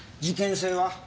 事件性は？